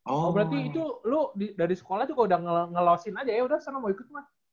oh berarti itu lu dari sekolah juga udah ngelosin aja ya udah sama mau ikut mas